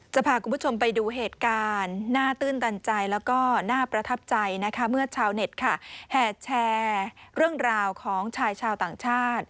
จะพาคุณผู้ชมไปดูเหตุการณ์น่าตื่นตันใจแล้วก็น่าประทับใจนะคะเมื่อชาวเน็ตค่ะแห่แชร์เรื่องราวของชายชาวต่างชาติ